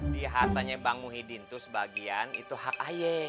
di hartanya bang muhyiddin tuh sebagian itu hak ayah